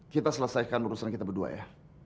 kita selesaikan urusan kita berdua ya